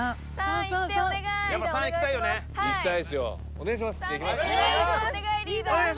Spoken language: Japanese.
お願いします！